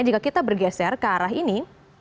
jika kita bergeser ke arah ini